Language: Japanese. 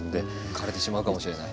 枯れてしまうかもしれない。